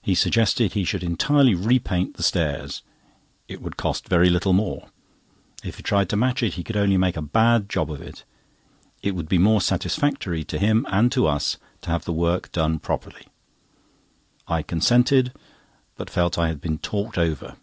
He suggested he should entirely repaint the stairs. It would cost very little more; if he tried to match it, he could only make a bad job of it. It would be more satisfactory to him and to us to have the work done properly. I consented, but felt I had been talked over.